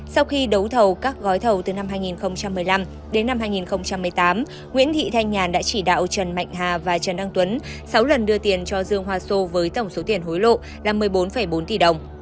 sau khi đấu thầu các gói thầu từ năm hai nghìn một mươi năm đến năm hai nghìn một mươi tám nguyễn thị thanh nhàn đã chỉ đạo trần mạnh hà và trần đăng tuấn sáu lần đưa tiền cho dương hoa sô với tổng số tiền hối lộ là một mươi bốn bốn tỷ đồng